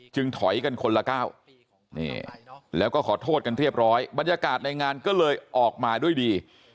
ถอยกันคนละก้าวแล้วก็ขอโทษกันเรียบร้อยบรรยากาศในงานก็เลยออกมาด้วยดี